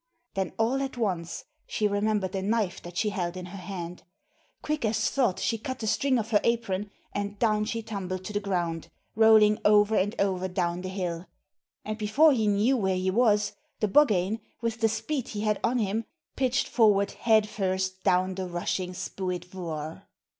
Then all at once she remembered the knife that she held in her hand! Quick as thought she cut the string of her apron and down she tumbled to the ground, rolling over and over down the hill. And before he knew where he was the Buggane, with the speed he had on him, pitched forward head first down the rushing Spooyt Vooar.